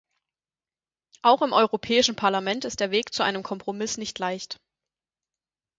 Auch im Europäischen Parlament ist der Weg zu einem Kompromiss nicht leicht.